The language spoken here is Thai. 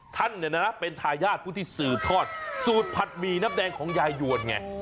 ท่านเนี่ยนะเป็นทายาทผู้ที่สืบทอดสูตรผัดหมี่น้ำแดงของยายหวนไง